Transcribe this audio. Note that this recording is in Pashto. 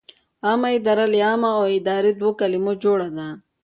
عامه اداره له عامه او اداره دوو کلمو جوړه ده.